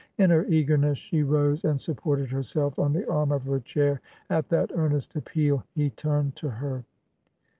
... In her eagerness she rose, and supported herself on the arm of her chair. At that earnest appesil he turned to her.